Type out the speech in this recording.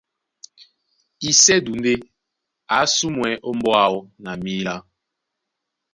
Isɛ́du ndé a ásumwɛ́ ómbóá áō na mǐlá,